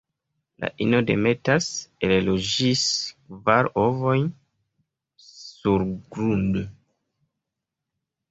La ino demetas el du ĝis kvar ovojn surgrunde.